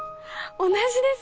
同じです。